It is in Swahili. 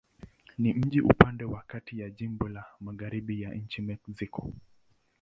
Ni mji upande wa kati ya jimbo na magharibi ya nchi Mexiko.